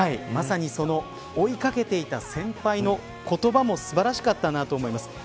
まさに、その追いかけていた先輩の言葉も素晴らしかったなと思います。